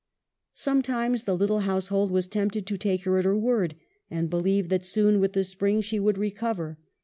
Sometimes the little household was tempted to take her at her word, and believe that soon, with the spring, she would recover; EMILY'S DEATH.